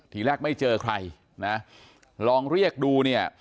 ทีแรกไม่เจอใครนะลองเรียกดูเนี่ย